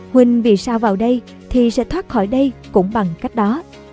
huỳnh vì sao vào đây thì sẽ thoát khỏi đây cũng bằng cách đó